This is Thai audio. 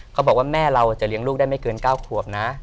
เขาบอกว่าแม่เราจะเลี้ยงลูกได้ไม่เกิน๙ขวบนะ